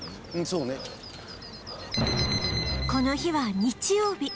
この日は日曜日